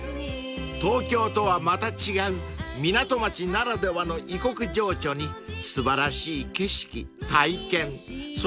［東京とはまた違う港町ならではの異国情緒に素晴らしい景色体験そして逸品の数々］